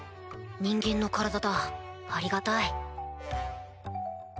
人間の体だありがたい。